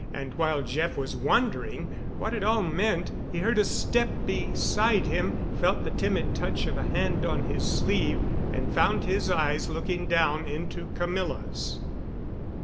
And while Jeff was wondering what it all meant he heard a step beside him, felt the timid touch of a hand on his sleeve, and found his eyes looking down into Camilla's.